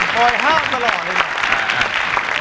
พล่วยเฮ๊าต์ตลอดเลย